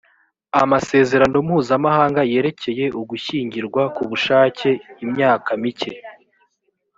amasezerano mpuzamahanga yerekerekeye ugushyingirwa ku bushake imyaka mike